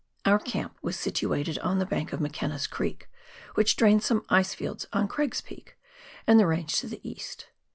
91 Our camp was situated on the bank of McKenna's Creek, wliich drains some ice fields on Craig's Peak, and the range to the east.